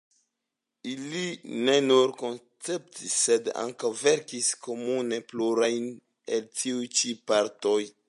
Ili ne nur konceptis, sed ankaŭ verkis komune plurajn el tiuj ĉi partoj.